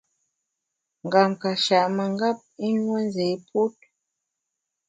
Ngam ka shèt mengap, i nue nzé put.